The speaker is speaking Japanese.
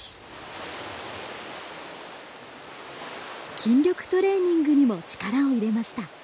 筋力トレーニングにも力を入れました。